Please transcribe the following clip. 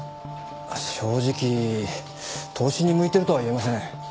正直投資に向いてるとは言えません。